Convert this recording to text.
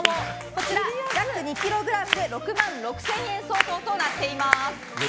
こちら約２ｋｇで６万６０００円相当となっています。